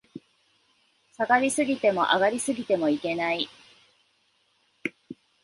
下がり過ぎても、上がり過ぎてもいけない